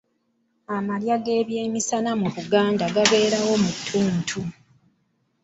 Amalya g'ebyemisana mu Buganda gaaberangawo mu ttuntu.